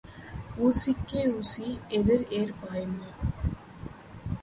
ஊசிக்கு ஊசி எதிர் ஏறிப் பாயுமா?